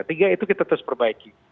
ketiga itu kita terus perbaiki